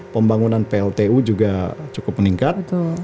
pembangunan pltu juga cukup meningkat